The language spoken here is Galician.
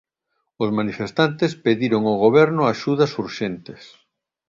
Os manifestantes pediron ó Goberno axudas urxentes.